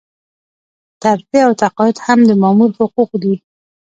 ترفيع او تقاعد هم د مامور حقوق دي.